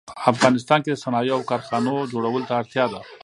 افغانستان کې د صنایعو او کارخانو جوړولو ته اړتیا ده